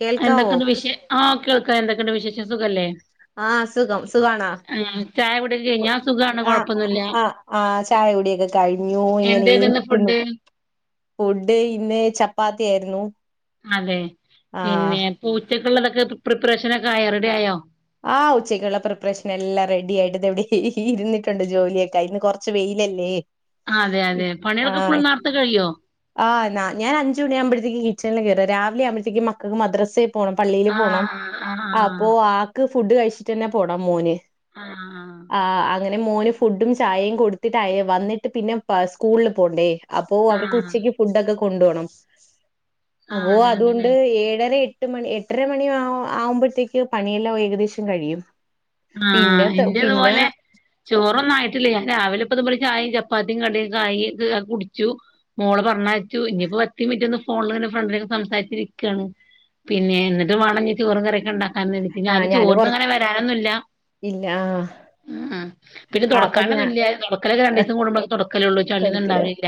കേൾക്കാവോ എന്തൊക്കെണ്ട് വിശേ ആഹ് കേൾക്ക്ണ്ട് എന്തൊക്കെയ്ണ്ട് വിശേഷം സുഖല്ലേ ആഹ് സുഖം സുഖാണാ അവിടില്ലേ ഞാൻ സുഖം ആ ആ ആ ചായ കുടിയൊക്കെ കയിഞ്ഞു എന്തേന്നു ഇന്ന് ഇങ്ങനെയിരിക്കുന്നു ഫുഡ് ഫുഡ്‌ ഇന്ന് ചപ്പാത്തിയായിരുന്നു അതെ പിന്നെ ഇപ്പുച്ചക്കുള്ളതൊക്കെ പ്രിപ്പറേഷനൊക്കെ ആയോ റെഡിയായോ ആ ഉച്ചയ്ക്കുള്ള പ്രിപ്പറേഷൻ എല്ലാം റെഡിയായിട്ട്ത് എവിടെ ഇരുന്നിട്ടുണ്ട് ജോലിയൊക്കെ അയിന്ന് കുറച്ച് വൈ യിൽ ല്ലേ അതെ അതെ പണികളൊക്കെ ഫുൾ ആഹ് നേർത്തെ കഴിയോ ആ ഞാൻ അഞ്ച്മണിയാകുമ്പോഴത്തേക്ക് കിച്ചണിൽ കേറും രാവിലെയാവുമ്പൊഴത്തെക്കും മക്കൾക്ക് മദ്രസെ പോണം പള്ളില് പോണം ആഹ് ആഹ് അപ്പോ ആ ഫുഡ് കഴിച്ചിട്ടെന്നെ പോണെ മോന് ആഹ് പിന്നെ മോന് ഫുഡും ചായയും കൊടുത്തിട്ടായി വന്നിട്ട് പിന്നെ സ്കൂളില് പോണ്ടേ അപ്പോ ആഹ് അവർക്ക് ആഹ് ഉച്ചക്ക് ഫുഡൊക്കെ കൊണ്ടോണം ആഹ് അപ്പോ അതെ അതെല്ലേ അതുകൊണ്ട് ഏഴര എട്ട് എട്ട് മണി എട്ടര മണി ആവുമ്പൊഴത്തേക്ക് പണിയെല്ലാം ഏകദേശം കഴിയും പിന്നെ ആഹ് പിന്നെ എന്റെതുപോലെ ചോറൊന്നായിട്ടില്ല ഞാൻ രാവിലെ ഇപ്പത്പോലെ ചായും ചപ്പാത്തിയും കടിയൊക്കായി കുടിച്ചു മോളെ പറഞ്ഞയച്ചു ഇനിയിപ്പോ പത്ത്മിനിറ്റ് ഒന്ന് ഫോണിൽ ഫ്രണ്ടിനൊക്കെ സംസാരിച്ചിരിക്കുവാണ് പിന്നെ എന്നിട്ട് വേണം ഇനി ചോറും കറിയൊക്ക്ണ്ടാക്കാൻ അന്ന് എനിക്ക് ആ ഞാന് കൊറ ചോറിനങ്ങനെ വാരാനൊന്നുമില്ല. ഇല്ല ആഹ്. പിന്നെ തുടക്കാനൊന്നുല്ല തൊടക്കലൊക്കെ രണ്ടിസം കുടുമ്പോഴേ തൊടക്കലുള്ളൂ ചളീന്നും കെടക്കല ഇണ്ടാവല്ലില്ല.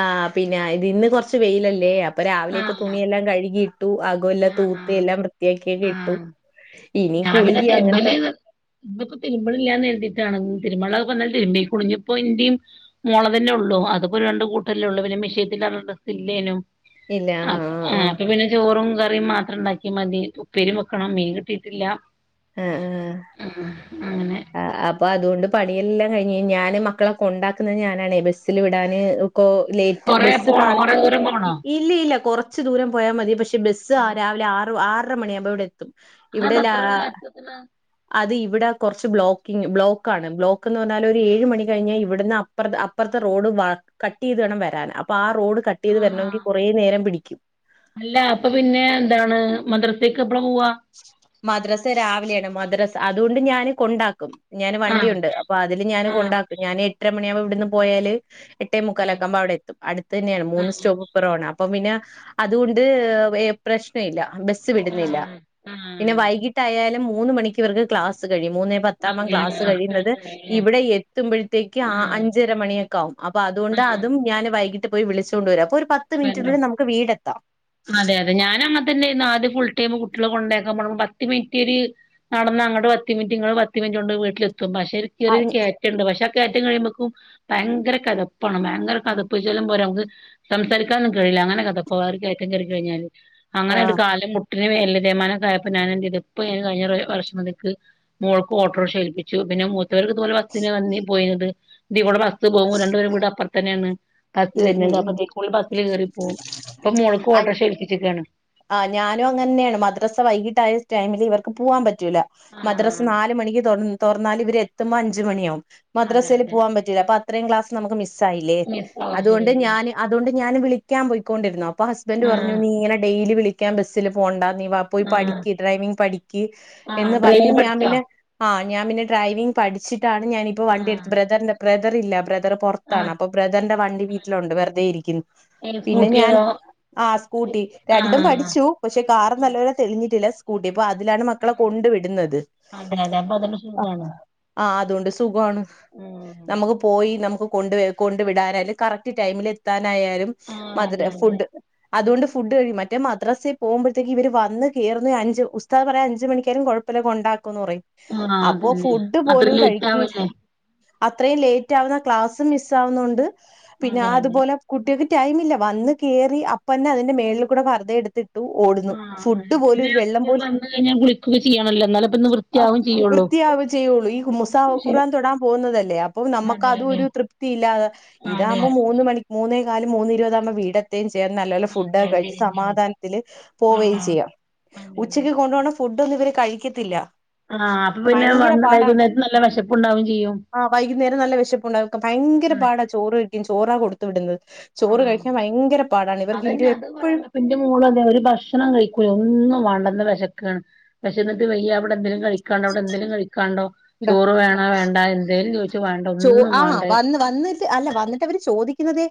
ആ പിന്നെ ഇത് ഇന്ന് കൊറച്ച് വെയിലല്ലേ അപ്പൊ. രാവിലെപ്പൊ ആഹ് തുണിയെല്ലാം കഴുകിയിട്ടു അകോ എല്ലാം ആഹ് തൂത്ത് എല്ലാം വൃത്തിയാക്കിയൊക്കെ ഇട്ടു. ഇനി ഞാൻപിന്നെ കുളികി അങ്ങനത്തെ തിരുമ്പല് ഇബുക്ക് തിരുമ്പ്ണില്ല കരുതിയിട്ടാണ്. തിരുമ്പാനുള്ളതൊക്കെ ഇന്നലെ തിരുമ്പി കുളിഞ്ഞപ്പോ ഇന്റെയും മോള തന്നെയുള്ളൂ അത് ഇപ്പോ രണ്ട്കൂട്ടെല്ലുള്ളൂ പിന്നെ മിഷീ [unintelligible] ബസ്സില്ലേനും ഇല്ല ആ ആ അപ്പപിന്നെ ചോറും. കറിയും മാത്രം ഉണ്ടാക്കിയമതി ഉപ്പേരിം വെക്കണം മീൻ കിട്ടിയിട്ടില്ല. ആ ആഹ് ആ. ആ അപ്പൊ അതുകൊണ്ട് പണി യെല്ലാം കഴിഞ്ഞ് ഞാന് മക്കളെ കൊണ്ടാക്കുന്നത് ഞാനാണെ ബസ്സിൽ വിടാന് ഒ ഓ ലേറ്റെ കൊറേ ബസു കാ പോണോ കൊറേ ദൂരം പോണോ ഇല്ലീല്ല കൊറച്ചു ദൂരം പോയാ മതി പക്ഷെ. ബസ്സ് ആ രാവിലെ ആറ് ആറരമ ണിയാവുമ്പോ ഇവിടെ എത്തും. ഇവിടെ അതെന്താ ലാ ഇത്ര നേരത്തെ എത്ത്ണെ അതിവിട കുറച്ച് ബ്ലോക്കിങ്ങ് ബ്ലോക്കാണെ ബ്ലോക്ക് എന്ന് പറഞ്ഞാൽ ഒരു ഏഴ മണി കഴിഞ്ഞാൽ ഇവിടുന്ന് അപ്പറത്ത് അപ്പറത്തെ റോഡ് വാക് കട്ടു ചെയതുവേണം വരാൻ അപ്പൊ ആ റോഡ് കട്ടു ചെയ്ത് ആഹ് ആഹ് വരണമെങ്കിൽ കുറേ നേരം പിടിക്കും. അല്ല അപ്പം പിന്നെ എന്താണ് മദ്രസ്സേക്ക് മദ്രസ്സാ രാവിലെയാണ് മദ്രാസ്സ് അതുകൊണ്ട് ഞാന് കൊണ്ടാക്കും. ഞാൻ ആഹ് വണ്ടിയുണ്ട് അപ്പൊ അതിലെ ഞാൻ ആഹ് കൊണ്ടാക്കും ഞാൻ എട്ടര മണിയാവുമ്പോ ഇവിടുന്ന് പോയാല്. എട്ടേ ആഹ് മുക്കാലൊക്കാകുമ്പം അവിടെത്തും അടുത്തന്നെയാണ് മൂന്ന് ആഹ് സ്റ്റോപ്പ് ഇപ്പറമാണ്. അപ്പം പിന്നെ അതുകൊണ്ട് പ്രശ്നമില്ല ബസ് ആഹ് വിടുന്നില്ല. ആഹ് പിന്നെ ആഹ് വൈകിട്ടായാലും മൂന്ന് മണിക്ക് ഇവർക്ക് ക്ലാസ്സ്. മൂന്നേ പത്താകുമ്പം ക്ലാസ്സ് കഴിയുന്നത് അങ്ങനെ ഇവിടെ എത്തുമ്പഴത്തേക്ക് ആ ആഹ് അഞ്ചരമണിയൊക്കെ ആവും അ അപ്പം അതുകൊണ്ട് ആഹ് അതും ഞാനെ വൈകിട്ട് പോയി വിളിച്ചോണ്ട്‌ വരും, അപ്പോരു. അതെ അതെ ഞാനങ്ങനെതന്നെയാണ് ആദ്യം ഫുൾ ടൈം കു കുട്ട്യോളെ കൊണ്ടാക്കാൻ പത്ത് മിനിറ്റീരെ നടന്ന് അങ്ങട്ടെ പത്ത് മിനിറ്റ് ഇങ്ങട്ട് പത്ത് മിനിറ്റുകൊണ്ട് വീട്ടിലെത്തും. പക്ഷെ ഒരു ആ കെറിയ കേറ്റമുണ്ട് പക്ഷെ ആ കേറ്റം കഴിയുമ്പേക്കും ഭയങ്കര കെതപ്പ്. പോണം ഭയങ്കര കേതപ്പെന്നും വെച്ചാലും പോരാ നമ്മക്ക്. സംസാരിക്കാൻ ഒന്നും കഴിയില്ല അങ്ങനെ കേതപ്പ്, ആ ഒരു കയറ്റം കേറി കഴിഞ്ഞാല് അങ്ങനെ ഒരു കാല് മുട്ട്. ഇങ്ങനെ എല്ലുതേയ് മാനം ഒക്കെ ആയപ്പം ഞാൻ എന്റെ ഇതുപ്പെ കഴിഞ്ഞ വർഷം മുതൽക്കേ മോൾക്ക് ഓട്ടോറിക്ഷാ എൽപ്പിച്ചു പിന്നെ മൂ ഇറ്റങ്ങൾക്ക് ഇതു പോലെ ബസ്സിനെ അന്നേ പോയിന്നത് ഇതി കൂടെ ബസ് പോകുമ്പോ രണ്ടപേരും കൂടെ അപ്പുറത്തന്നെയാണ്. അതു ഉം തന്നെ ഉം അപ്പൊ സ്കൂളിൽ ബസ്സിനു കേറി പോം ഇപ്പൊ മോൾക്ക് ഓട്ടോറിക്ഷേൽപ്പിച്ചിരിക്കയാണ്. ആ ഞാനും അങ്ങതന്നെയാണ് മദ്രസ്സാ വൈകിട്ടായ ടൈമിൽ ഇവർക്ക് പൂവാൻ പറ്റൂല്ല, മദ്രാസ് ആഹ് നാലു മണിക്ക് തൊ തൊറന്നാൽ ഇവർ എത്തുമ്പോ അഞ്ച് മണിയാവും. അതെ മദ്രസേലൂ അതെ പോവാൻ പറ്റില്ല അപ്പം അത്രയും ക്ലാസ് നമുക്ക് മിസ്സായില്ലേ? മിസ് അതുകൊണ്ട് ഓഹരി ഞാന് അതുകൊണ്ട് ഞാന് വിളിക്കാൻ പൊയ്ക്കൊ ണ്ടിരുന്നു അപ്പം ഹസ്ബൻറ് പറഞ്ഞു ആഹ് നീ ഇങ്ങനെ ഡെയിലി വിളിക്ക് ക്കാൻ ബസ്സിലു പോവണ്ടാ നീ വാ പോയി ആഹ് പഠിക്ക് ഡ്രൈവിംഗ് പഠിക്ക് ആഹ് എന്ന് പറഞ്ഞ് ഡ്രൈവിംഗ് ഞാൻ പഠിച്ചോ പിന്നെ ആ. ഞാൻ പിന്നെ ഡ്രൈവിംഗ് പഠിച്ചിട്ടാണ് ഞാനിപ്പോ വണ്ടി എടുത്ത് ആഹ് ബ്രദറിന്റെ ബ്രദറില്ലേ ബ്രദർ ദറെ പൊറത്താണ് ആഹ് അപ്പൊ ബ്രദറിന്റെ വണ്ടി വീട്ടിലുണ്ട് വെറുതെ ഇരിക്കുന്നു ഈ പിന്നെ ഞാൻ. സ്കൂട്ടിയതോ ആ സ്കൂട്ടി രണ്ടും ആഹ് പഠിച്ചു പക്ഷെ കാറു നല്ലപോലെ തെളിഞ്ഞിട്ടില്ല സ് അപ്പം അതിലാണ് മക്കളെ ആഹ് കൊണ്ടു വിടുന്നത്. അതെ അതെ അപ്പൊ അതന്നെ സുഖാണ് ആ അതുകൊണ്ട് സുഖമാണ് ഉം നമുക്ക് പോയി നമുക്ക് കൊണ്ടോയി കൊണ്ടുവിടാനും കറക്റ്റ് ടൈമിലെത്താനായാലും ആഹ് അതെ മധുര അതെ ഫുഡ്ഡ് അതു കൊണ്ട് ഫു ഫുഡ് കഴി മറ്റേ മദ്രസ്സിൽ പോവു മ്പഴത്തേക്കെ ഇവരു വന്നു കേറുന്നേ അഞ്ച് ഉസ്ത്താദ് പറയാ അഞ്ച് മണിക്കാലും കൊഴപ്പില്ല കൊണ്ടാക് ക്കെന്നു പറയും ആഹ് അപ്പൊ അതന്നെ ഫുഡ്ഡു അത്ര പോലും ലേറ്റ് കഴിക്കീൽ ആവല്ലേ അത്രയും ലേറ്റാവുന്ന ക്ലാസ്സും മിസ് ആവുന്നുണ്ട്, പിന്നെ അതെ ആ അതെ അതുപോലെ കുട്ടികി ക്ക് ടൈമില്ല വന്ന് കേറി അപ്പന്നെ അതിന്റെ മേളിൽകൂടെ പർദ്ദ എടുത്തിട്ട്. ആ പിന്നെ ആ സ്കൂൾ പോലും വന്നു കഴി ഞ്ഞാൽ കുളിക്കൊക്കെ ചെയ്യാല്ലോ എന്നാലപ്പോ വൃത്തിയാകയും ചെയ്യുള്ളൂ. വൃത്തിയാവേ ചെയ്യുള്ളൂ ഈ മുസാഹ ശരി ഖുറാൻ തൊടാൻ പോകുന്നതല്ലേ അപ്പം നമുക്ക് അതെ അത് അതെ ഒരു തൃപ്തിയില്ലാതെ അതെ ഇതാവുമ്പം അതെ മൂന്ന്മണിക് മൂന്നേ കാല് മൂന്നിരുപതാവുമ്പം വീടെത്തേം ചെയ്യും വൃത്തിയായിട്ട് നല്ല പോലെ ഫുഡൊക്കെ അതെ കഴിച്ച് ശരിയെന്നാണ് സമാധാനത്തില് പോവേം ആഹ് ചെയ്യാം അതെ അതെ ഉച്ചക്ക് കൊണ്ടവണ ഫുഡ്‌ ഇതൊന്നും ഇവര് കഴിക്കത്തില്ല ആ അപ്പം പിന്നെ ഭയങ്കര വന്ന് വൈകുന്നേരത്ത് നല്ല വിശപ്പുണ്ടാ വേം ചെയ്യും ആ വൈകുന്നേരം നല്ല വിശപ്പുണ്ടാവും ഭയങ്കര അന്നെ പാടാ ചോറ് കഴിക്കാൻ ചോറാ കൊടുത്തു വിടുന്നത് ചോറ് ആഹ് കഴിക്കാൻ ഭയങ്കര പാടാണ് ഇവർക്ക് ഇരു അതന്നെ അത് എപ്പഴും പറയണ്ട ഇന്റെ മോളും അതെ ഒരു ഭക്ഷണം കഴിക്കൂല ഒന്നും വേണ്ടെന്ന വെശക്- വിശന്നിട്ട് വയ്യ ഇവിടെന്തേലും കഴിക് [unintelligible] ഇവ്ടെന്തേലും കഴിക്കാനുണ്ടോ എന്താ ചോറ് വേണാ വേണ്ടാ എന്തേലും ചോദിച്ച വേണ്ട ഒന്നും വാണ്ടേ എന്നെച്ചാൽ അല്ല വന്നിട്ട് അവര് ചോദിക്കുന്നതേ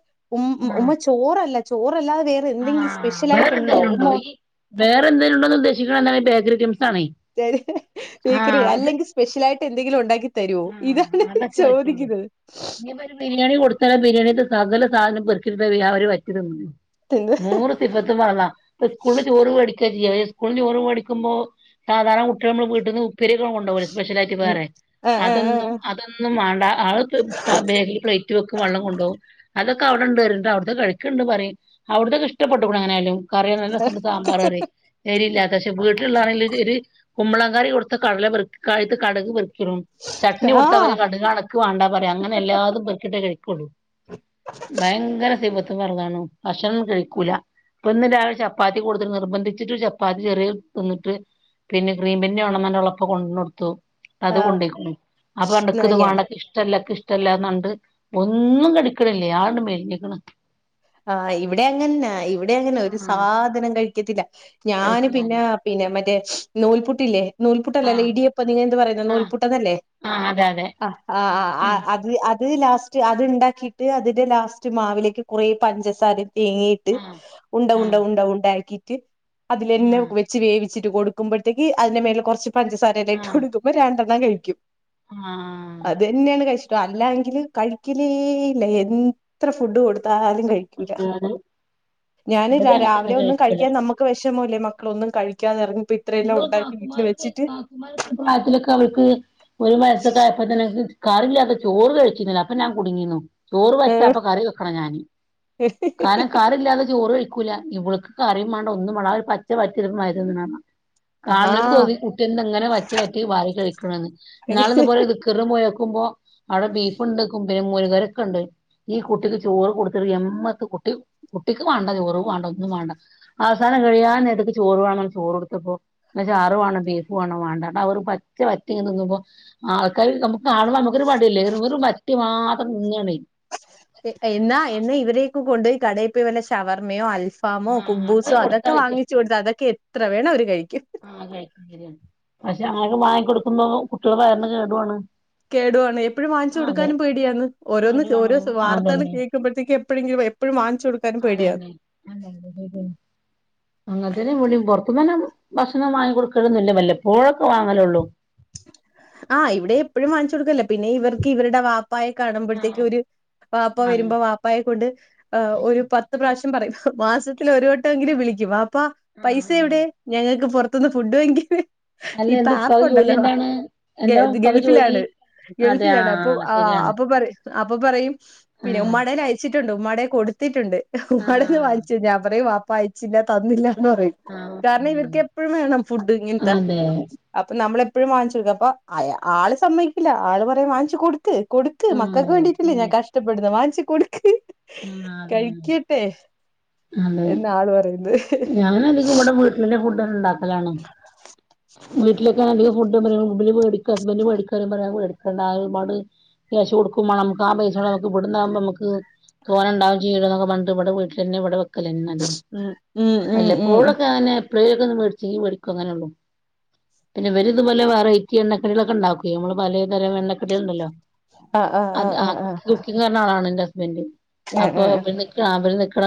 ആഹ് ഉമ്മ ചോറല്ലേ ചോറ് ചോറല്ലാതെ വേറെ എന്തെങ്കിലും ആഹ് വേറെ സ്പെഷ്യലായിട്ടുണ്ടോ എന്തേലും ഉണ്ടോ ഉമ്മാ ഈ വേറെ എന്തേലും ഉണ്ടോന്ന് ഉദ്ദേശിക്കണ എന്താണ് ബേക്കറി ഐറ്റംസ് ആണേ [unintelligible] അല്ലെങ്കിൽ സ്പെഷ്യൽ ആയിട്ട് എന്തെങ്കിലും ഉണ്ടാക്കി തരുവോ ആ ഇതാണ് അതൊക്കെ പറ്റുള്ളൂ ചോദിക്കുന്നത് നീ പ്പൊ ഒരു ബിരിയാണി കൊടുത്താല ആ ബിരിയാണി സകല സാധനും പെറുക്കിട്ത്ത് ആ ഒരു വറ്റു തിന്നുന്നത് എന്ത് നൂറ് സിഫത്തും ഫറ്ളാ പ്പൊ സ്കൂളിന്ന് ചോറ് മേടിക്കാൻ സ്കൂളിന്ന് ചോറ് മേടിക്കുമ്പോ സാധാരണ കുട്ട്യേളമ്മള് വീട്ടന്ന് ഉപ്പേരിക്കൊ കൊണ്ടവല്ലോ സ്പെഷ്യൽ ആയിട്ട് ഉം വേറെ ആഹ് ആഹ് അതന്നും ആഹ് അതൊന്നും വാണ്ട ആള് ബേകില് പ്ലേറ്റ് വെക്കും വെള്ളം കൊണ്ടവും അതൊക്കെ അവിടെണ്ട് പറയും അവിടത്തെ കഴിക്ക്ണ്ട് പറയും അവിട്‌ത്തൊക്കെ ഇഷ്ടപ്പെട്ടുക്കുണ് എങ്ങനെയാലും [unintelligible] കുമ്പളങ്ങ കറി കൊടുത്ത കടല അതിത്തെ കടുക് പെറുക്കിടും ചട്നി കൊടുത്തപറയും ആഹ് കടുക് ആണ് ഇക്ക് വേണ്ടാ പറയും അങ്ങനെ എല്ലാതും പെറുക്കിട്ടേ കഴിക്കുള്ളൂ ഭയങ്കര സിഫത്ത് ഫർളാണ് ഭക്ഷണം കഴിക്കൂല ഇപ്പൊ ഇന്ന് രാവിലെ ചപ്പാത്തി കൊട്ത്ത്ട്ട് നിർബന്ധിച്ചിട്ട് ചപ്പാത്തി ചെറിയ ഒരു തിന്നിട്ട് പിന്നെ ക്രീം ബന്ന് വേണന്ന് പറഞ്ഞ് അവള ഉപ്പ കൊട്‌ന്നൊടുത്തു അത് ആഹ് കൊണ്ടേക്ക്ണു അപ്പൊ പറഞ്ഞു ഇക്ക് ഇത് ഞാൻ വാണ്ട ഇക്ക് ഇഷ്ട്ടല്ല ഇക്കിഷ് ഇഷ്ട്ടല്ലാന്നോണ്ട് ഒന്നും കെട്ക്കണില്ല ആകങ്ങണ്ട് മെലിഞ്ഞക്കണ് ആ ഇവിടെ അങ്ങൻന്നാ ഇവിടെ അങ്ങനെ ഒരു ആഹ് സാധനം കഴിക്കത്തില്ല ഞാന് കഴിക്കലാണ് പിന്നെ പിന്നെ മറ്റെ നൂൽപുട്ടില്ലേ നൂൽപുട്ടല്ലല്ലോ ആഹ് ഇടിയപ്പ നിങ്ങ എന്ത് പറയുന്ന ആഹ് നൂൽപുട്ടന്നല്ലേ ആഹ് അതെ അതെ അ ആ ആ അ ഉം അത് അത് അത് ലാസ്റ്റ് അത്ണ്ടാക്കീട്ട് അതിന്റെ ലാസ്റ്റ് മാവിലേക്ക് കുറേ പഞ്ചസാരയും തേങ്ങിട്ട് ആഹ് ഉണ്ട ഉണ്ട ആഹ് ഉണ്ട ആക്കീട്ട് അതില് എല്ലാം ആഹ് വെച്ച് വേവി വച്ചിട്ട് കൊടുക്കുമ്പോത്തേക്ക് അതിന്റെ മേലില് കൊർച്ച് പഞ്ചസാരയല്ലാംട്ട് കൊടുക്കുമ്പോ രണ്ടെണ്ണം കഴിക്കും ആ അല്ല എങ്കില് കഴിക്കലേ ഇല്ല എത്ര ഫുഡ് കൊടുത്താലും കഴിക്കൂല ഞാനില്ല ഇവിടെ അങ്ങൻതന്നെ രാവിലെ ഒന്നും കഴിക്കൂല കഴിക്കാൻ നമ്മുക്ക് വിഷമല്ലേ ഒന്നും കഴിക്കാതെറങ്ങ ഇമ്മള് കാക്കുമാർക്ക് കാക്കുമാർ പ്രായത്തിലൊക്കെ അവൾക്ക് ഒരു വയസൊക്കെ ആയപ്പതന്നെ കറില്ലാതെ ചോറ് കഴിച്ചീന്നില്ല അപ്പ ഞാൻ കുടുങ്ങീന്നു ചോറ് വച്ചാപ്പ കറി വെക്കണം ഞാന് കാരണം കറില്ലാതെ ചോറ് കഴി വെക്കുല ഇവൾക്ക് കറീം വേണ്ട ഒന്നും വേണ്ട ആ ഒരു പച്ച [unintelligible] കാൺലോൽക് ആഹ് തോന്നി കുട്ടി എന്താ ഇങ്ങനെ വറ്റ് വറ്റി വാരി കഴികണ്ന്ന് ഇന്നാള് ഇതുപോലെ ദിക്ർന് പോയോക്കുമ്പൊ നോക്കുമ്പോ അവ്ടെ ബീഫ്ണ്ട് [unintelligible] മോര് കറിയൊക്കെ ഇണ്ട് ഈ കുട്ടിക്ക് ചോറ് കൊടുത്തിട്ട് എമ്മക്ക് കുട്ടി കുട്ടിക്ക് വാണ്ട ചോറും വാണ്ട ഒന്നും വാണ്ട [unintelligible] കഴിയാൻ നേരത്ത്ക്ക് ചോറ് വേണം ചോറ് കൊടുത്തപ്പോ ചാറ് വേണം ബീഫ് വേണം വേണ്ട ന്നട്ട് ആ ഒരു പച്ച വറ്റ് തിന്നുമ്പോ ആൾക്കാർ നമുക്ക് കാണുമ്പോ നമുക്കൊരു മടിയല്ലേ വെറും വറ്റ് മാത്രം തിന്നാണേ എന്നാ എന്നാ ഇവരെയൊക്കെ കൊണ്ടൊയി കടയിൽ പോയ് വല്ല ശവർമ്മയോ അൽഫാ അൽഫാമോ ആഹ് അത് കുബൂസോ കൊടുത്താ അതൊക്കെ വല്യ വാങ്ങിച്ചു ഇഷ്ടാണ് കൊടുത്ത അതൊക്കെ എത്ര വേണം അവര് കഴിക്കും ആഹ് കഴിക്കും ശരിയാണ് പക്ഷെ അങ്ങനെ വാങ്ങി കൊടുക്കുമ്പോ കുട്ടികളുടെ വയറിനു കേടുവാണ് കേടുവാണ് എപ്പോഴും വാങ്ങിച്ചു ആഹ് കൊടുക്കാനും പേടിയാന്ന് ഓരോന്ന് പേടിയാണ് ഓരോ വാർത്തകൾ അതന്നെ കേൾക്കുമ്പോഴത്തേക്കും എപ്പോഴെങ്കിലും എപ്പോഴും വാങ്ങിച്ചു കൊടു അതന്നെ [unintelligible] അങ്ങനത്തന്നെ ഇവിടേം പുറത്തുനിന്ന് ഭക്ഷണം വങ്ങി കൊടുക്കന്നില്ല വല്ലേ എപ്പോഴൊക്കെ വാങ്ങലള്ളൂ ആ ഇവിടെ എപ്പോഴും വാങ്ങിച്ചു കൊടുക്കല്ലേ പിന്നെ ഇവർക്ക് ഇവരുടെ വാപ്പ പപ്പായെ കാണുമ്പോഴത്തേക്ക് ആഹ് ഒരു വാപ്പ ആഹ് വരുമ്പോ വാപ്പായെ കൊണ്ട് ആ ഒരു പത്ത് പ്രാവശ്യം പറയുന്നു മാസത്തിൽ ഒരു വട്ടം എങ്കിലും വിളിക്കും പ്പ ആഹ് പൈസ ആഹ് എവിടെയ ഞങ്ങൾക്ക് പുറത്തനിന്ന് ഫുഡ് വാങ്ങിക്കേ അല്ല ഇപ്പൊ എന്താ ആപ്പ് ഉപ്പാക്ക് ജോലി ഉണ്ടല്ലോ എന്താണ് ഗ എന്താ ഉപ്പാക്ക് ജോലി ഗൾഫിലാണ് അതെ ഗൾഫിലാണ് അപ്പൊ ആഹ് ആ ശരിയാണ് അപ്പൊ പറ അപ്പൊ പറയും പിന്നെ ആഹ് ഉമ്മയിടേൽ അയച്ചി ഉമ്മാടെ കൊടുത്തിട്ടുണ്ട് ഉമ്മാടെന്ന് ആഹ് വാങ്ങിച്ച് ഞാ പറയും വാപ്പ അയച്ചില്ല തന്നില്ല [unintelligible] ആഹ് കാരണം ഇവർക്ക് എപ്പഴും വേണം ഫുഡ് ഇങ്ങനത്തൊ അതെ അപ്പൊ നമ്മളെ എപ്പഴും വാങ്ങിച്ചു കൊടുക്ക, അപ്പൊ അയ ആള് സമ്മയ്ക്കില്ല ആള് പറയും വാങ്ങ്ച്ചു കൊടു ക് കൊടുക്ക് മക്കൾക്ക് ആഹ് വേണ്ടിട്ടല്ലേ ഞാൻ ശരിയാ കഷ്ടപ്പെടുന്നേ വാങ്ങിച്ച് കൊടുക്ക് ആഹ് അതന്നെ കഴിക്കട്ടെ, അതെ എന്നാള് പറയുന്നെ. ഞാനധികം ഇവിടെ വീട്ടിലെന്നെ ഫുഡ്ണ്ടാക്കലാണ്, വീട്ടിലൊക്കെ അധികം [unintelligible] [unintelligible] ഹസ്ബൻഡ് മേടിക്കാറയും മേടിക്കണ്ട ഒരുപാട് കാശ് കൊടുക്കും വാണം അമ്മക്ക് ആ പൈ ഇവട്ന്നാവുമ്പോ അമ്മക്ക് തോനെണ്ടാവും ചെയ്യല്ലോന്നെക്കെ പറഞ്ഞിട്ട് ഇവിടെ വീട്ടിലെന്നെ ഇവടെ [inaudible] ഉം ഉം ഉം ഉം വല്ലപ്പോഴൊക്കെ അങ്ങനെ എപ്പളേലൊക്കെ ഒന്ന് മേടിച്ചെങ്കീ മേടിക്കും, അങ്ങനെള്ളു. പിന്നെ ഇവല് ഇത്പോലെ വെറൈറ്റി എണ്ണക്കടികളൊക്കെണ്ടാക്കുവേ അമ്മള് പലതരം എണ്ണക്കടികള്ണ്ടല്ലോ. ആഹ് ആഹ് അത് ആഹ് ആ ആഹ് ആഹ് കുക്കിംഗ്‌ അറിയുന്ന ആളാണ് ന്റെ ഹസ്ബൻഡ് ആഹ് അപ്പൊ ആഹ് [unintelligible] [unintelligible] [unintelligible] [unintelligible] [unintelligible]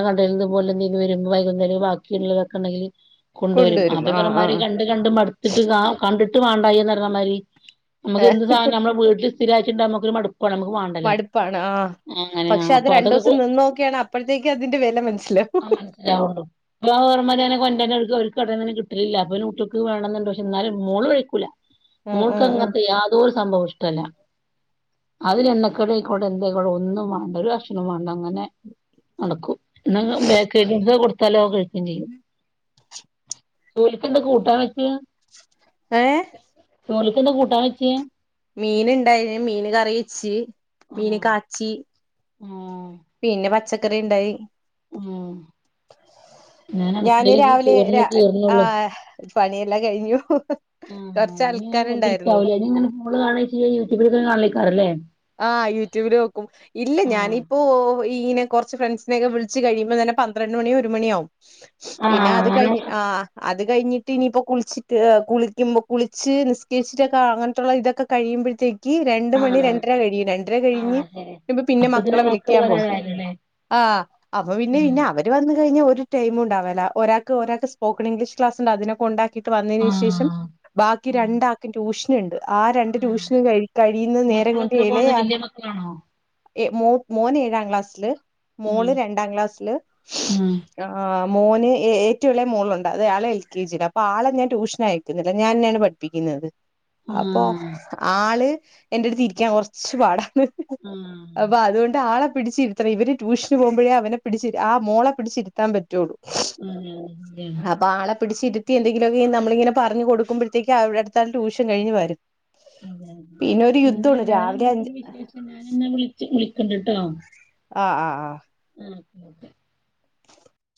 വൈകുന്നേരം ബാക്കിള്ളതൊക്കെ ഇണ്ടെങ്കില് കൊണ്ട് വരും കൊണ്ടുവരും അത് ആഹ് ആഹ് കണ്ട് കണ്ട് മടുത്തിട്ട് ക കണ്ടിട്ട് വേണ്ടായിന്ന് പറഞ്ഞമാരി ആഹ് അമ്മക്കെന്ത് സാധനം അമ്മളെ വീട്ടില് സ്ഥിരായിറ്റിണ്ടാമ്പം അമ്മക്കൊരു മടു മടുപ്പാണ് ആ. അങ്ങനെ പക്ഷെ അത് അപ്പൊ അതൊക്കെ കു രണ്ടൂസം നിന്നോക്കിയാണ് അപ്പഴത്തേക്ക് അതിന്റെ വില മനസ്സിലാവും. ആ മനസ്സിലാവുള്ളൂ [unintelligible] [unintelligible] കിട്ടലില്ല അപ്പോ പിന്നെ കുട്ട്യേക്ക് വേണന്ന്ണ്ട് പക്ഷ ന്നാലും മോള് കഴിക്കൂല. ആഹ് ആഹ് ആഹ് മോൾക്കങ്ങൻത്ത യാതൊരൂ സംഭവൂ ഇഷ്ടല്ല. അതിലെണ്ണക്കടിയ്ക്കോട്ടെ എന്തേയീക്കോട്ടെ ഒന്നും വാണ്ട ഒരു കഷ്ണൂ വാണ്ട അങ്ങനെ നടക്കും, എന്നാ ബേക്കറി ഐറ്റംസൊക്കെ കൊടുത്താലോ കഴിക്കും ചെയ്യും. ചോലിക്കെന്താ കൂട്ടാൻ വെച്ചേ? ഏഹ് ചോലിക്ക്ന്താ കൂട്ടാൻ വെച്ചേ? മീൻ ഇണ്ടായിന്, മീൻ കറി വെച്ച് മീൻ കാച്ചി ആ. പിന്നെ പച്ചക്കറി ഇണ്ടായി. ആ. ഞാന് രാവിലെ ര, ആ കേറുന്നുള്ളൂ പണിയെല്ലാം കഴിഞ്ഞൂ ഇനിങ്ങനെ വെർതിരിക്കാവുല്ല ഇനിങ്ങനെ ഫോണ് കാണേയ്ക്കും യൂട്യൂ ബില് ങ്ങനെ കാണലേക്കാരംലേ ആ യൂട്യൂബില് നോക്കും, ഇല്ല ആഹ് ഞാനിപ്പോ ഇങ്ങനെ കുറച്ച് ഫ്രണ്ട്സിനെക്കെ വിള്ച്ച് കഴിയുമ്പോ തന്നെ പന്ത്രണ്ട് മണി ഒരു മണിയാവും. ആഹ് പിന്നെ അത് അങ്ങനെ കഴിഞ്ഞ്, ആ അത് കഴിഞ്ഞിട്ട് ഇനീപ്പോ കുളിച്ചിട്ട്, കുളിക്കുമ്പോ കുളിച്ച് നിസ്കരിച്ചിട്ടൊക്കെ അങ്ങനെത്തെ ഇതൊക്കെ കഴിയുമ്പോഴത്തേ ക്കീ രണ്ട് മണി ആഹ് രണ്ടര കഴിയും രണ്ടര ആഹ് ശരി കഴിഞ്ഞ്ക്കുമ്പ പിന്നെ അപ്പത്തിന് മക്കളെ മക്കള് വിളിക്കാൻ പോവ വരാനായില്ലേ ആ അപ്പൊ പിന്നെ ആഹ് പിന്നെ അവര് വന്ന കഴിഞ്ഞ ഒരു ടെെമൂണ്ടാവല്ല, ഒരാക്ക് ഒരാക്ക് സ്പോക്കൺ ഇംഗ്ലീഷ് ക്ലാസ്ണ്ട് അതിനെ കൊണ്ടാ ട്ട് വന്നേന് ശേഷം ബാക്കി ആഹ് രണ്ടാക്കും ട്യൂഷനിണ്ട് ആ രണ്ട് ട്യൂഷന് കഴി കഴിയുന്ന നേരം കൊ [unintelligible] പോകുന്ന വല്ല്യ മക്കളാണോ? എ മോ മോന് ഏഴാം ക്ലാസ്സില് ആഹ് മോള് രണ്ടാം ക്ലാസ്സില് ആഹ് ആ മോന് ഏറ്റും ഇളയ മോളുണ്ട് അത് ആള് എൽ കെ ജി അപ്പൊ ആളെ ഞാൻ ട്യൂഷനയക്കുന്നില്ല ഞാന്നെയാണ് പഠിപ്പിക്ക്ന്നത്. അപ്പൊ ആഹ് ആള് എന്റെടുത്തിരിക്കാൻ കൊറച്ച് പാടാ. അപ്പൊ അതുകൊണ്ട് ആളെ പിടിച്ചിരിത്തണം ഇവര് ട്യൂഷന് പോകുമ്പോഴേ അവനെ പിടിച്ചിരി, ആ മോളെ പിടിച്ചിരുത്താൻ പറ്റൊള്ളൂ. ഉം പിടിച്ചിരുത്തി എന്തങ്കിലൊക്കെ നമ്മളിങ്ങനെ പറഞ്ഞ് കൊടുക്കുമ്പയത്തേക്കും അടുത്താള് ട്യൂഷൻ കഴിഞ്ഞ് വരും. അതെ അതെ ഒരു പിന്നെ യുദ്ധമാണ് രാവിലെ അഞ്ച് വേറെന്തൊക്കെണ്ട് വിശേഷം? ഞാനെന്നാ വിള്ച്ച് വിളിക്കണ്ട്ട്ടോ. ആ ആ ആ. ആ ഓക്കെ ഓക്കെ.